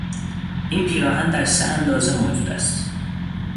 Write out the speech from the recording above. این پیراهن در سه اندازه موجود است.